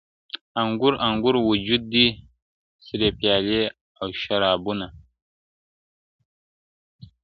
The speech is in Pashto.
انګور انګور وجود دي سرې پيالې او شرابونه,